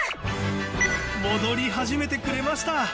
戻り始めてくれました！